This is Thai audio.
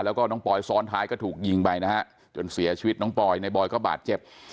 แล้วก็น้องปอยซ้อนท้ายก็ถูกยิงไปนะฮะจนเสียชีวิตน้องปอยในบอยก็บาดเจ็บ